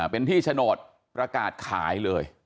เป็นที่โฉนดประกาศขายเลย